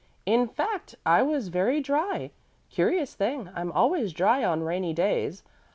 "In fact, I was very dry. Curious thing, I'm always dry on rainy days.